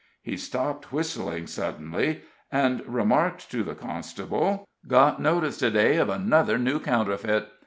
He stopped whistling suddenly, and remarked to the constable: "Got notice to day of another new counterfeit.